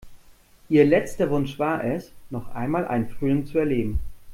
Ihr letzter Wunsch war es, noch einmal einen Frühling zu erleben.